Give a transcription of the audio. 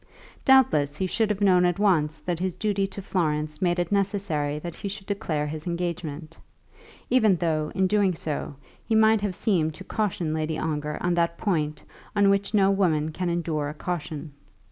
Doubtless he should have known at once that his duty to Florence made it necessary that he should declare his engagement, even though, in doing so, he might have seemed to caution Lady Ongar on that point on which no woman can endure a caution.